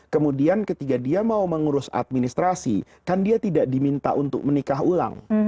kemudian ketika dia mau mengurus administrasi kan dia tidak diminta untuk menikah ulang